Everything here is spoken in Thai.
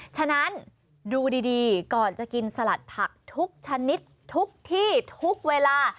ฉะนั้นดูดีก่อนจะกินสลัดผักทุกชนิดทุกที่ทุกเวลา